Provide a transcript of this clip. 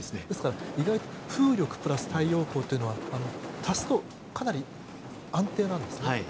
ですから意外と風力プラス太陽光というのは足すとかなり安定なんですね。